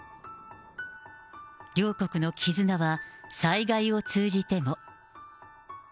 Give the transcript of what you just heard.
両国の絆は災害を通じても。